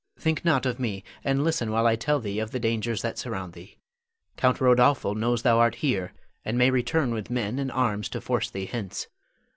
Think not of me, and listen while I tell thee of the dangers that surround thee. Count Rodolpho knows thou art here, and may return with men and arms to force thee hence.